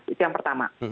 itu yang pertama